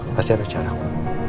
pasti ada caraku